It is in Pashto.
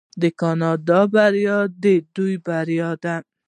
د کاناډا بریا د دوی بریا ده.